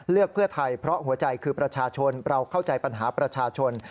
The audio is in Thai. เลือกเพื่อไทยเพราะหัวใจคือประชาชนเราเข้าใจปัญหาประชาชน